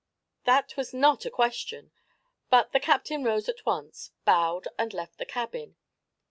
That was not a question, but the captain rose at once, bowed and left the cabin.